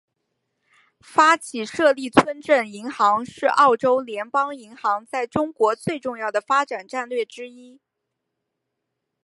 发起设立村镇银行是澳洲联邦银行在中国最重要的发展战略之一。